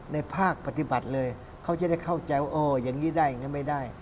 ในภาคปฏิบัติเลยเขาจะได้เข้าใจว่ายังงี้ได้ยังงั้นไม่ได้